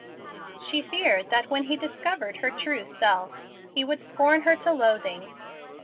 She feared that when he discovered her true self he would scorn her to loathing.